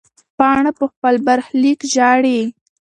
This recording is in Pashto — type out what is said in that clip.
پاڼه په خپل برخلیک ژاړي.